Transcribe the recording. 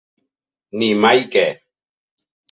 Ni mai que.